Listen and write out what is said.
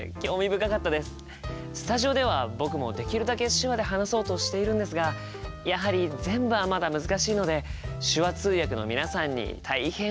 スタジオでは僕もできるだけ手話で話そうとしているんですがやはり全部はまだ難しいので手話通訳の皆さんに大変お世話になっています。